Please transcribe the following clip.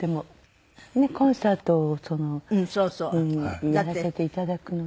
コンサートをやらせていただくので。